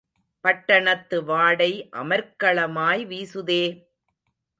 பட்டணத்து வாடை அமர்க்களமாய் வீசுதே?